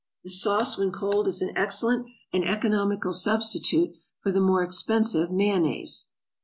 = This sauce when cold is an excellent and economical substitute for the more expensive mayonnaise.